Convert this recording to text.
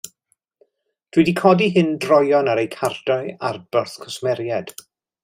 Dw i 'di codi hyn droeon ar eu cardiau adborth cwsmeriaid.